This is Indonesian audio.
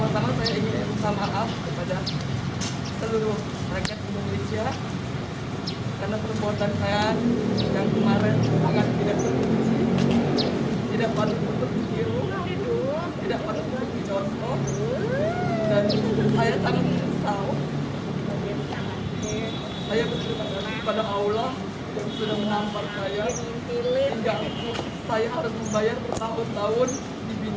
seluruh rakyat indonesia